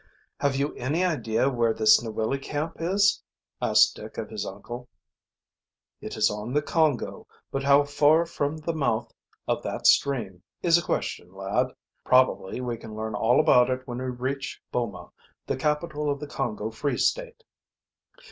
"Have you any idea where this Niwili Camp is?" asked Dick of his uncle. "It is on the Congo, but how far froth the mouth of that stream is a question, lad. Probably we can learn all about it when we reach Boma, the capital of the Congo Free State."